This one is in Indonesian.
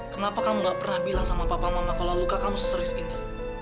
kenapa kamu gak pernah bilang sama papa mama kalau luka kamu seserius ini